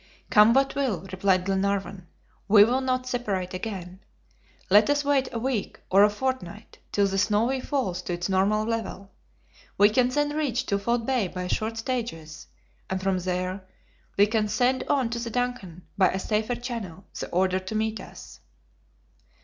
"Come what will," replied Glenarvan, "we will not separate again. Let us wait a week, or a fortnight, till the Snowy falls to its normal level. We can then reach Twofold Bay by short stages, and from there we can send on to the DUNCAN, by a safer channel, the order to meet us."